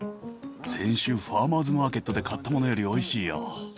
先週ファーマーズマーケットで買ったものよりおいしいよ。